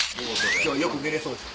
今日はよく寝れそうですね。